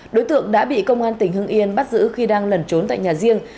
đối tượng đã bị công an tỉnh hưng yên bắt giữ khi đang lẩn trốn tại nhà riêng